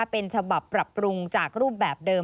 เป็นฉบับปรับปรุงจากรูปแบบเดิม